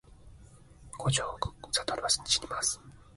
五条悟はしにます